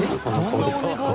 どんなお願い？